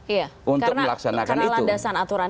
sehingga dalam hal ini pemerintah tidak salah